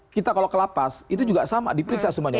kita kalau kelapas itu juga sama diperiksa semuanya